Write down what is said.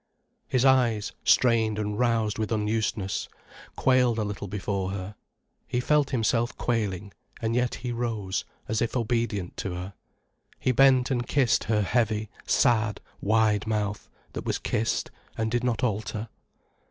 His eyes, strained and roused with unusedness, quailed a little before her, he felt himself quailing and yet he rose, as if obedient to her, he bent and kissed her heavy, sad, wide mouth, that was kissed, and did not alter.